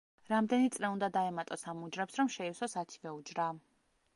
რამდენი წრე უნდა დაემატოს ამ უჯრებს, რომ შეივსოს ათივე უჯრა?